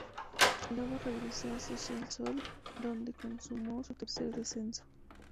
Luego regresó a Social Sol, donde consumó su tercer descenso.